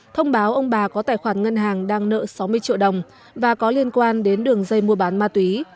thông báo ông bà có tài khoản ngân hàng đang nợ sáu mươi triệu đồng và có liên quan đến đường dây mua bán ma túy